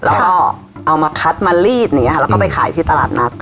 แล้วก็เอามาคัดมารีดถึงถือไปขายที่ตลาดนัก